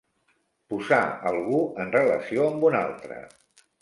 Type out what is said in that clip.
Posar algú en relació amb un altre.